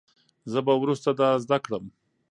زه به وروسته دا زده کړم.